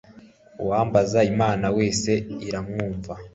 uwambaza imana wese iramwumva